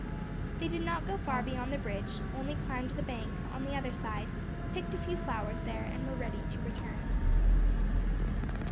They did not go far beyond the bridge; only climbed the bank, on the other side, picked a few flowers there, and were ready to return.